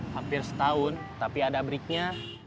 hampir setahun tapi ada breaknya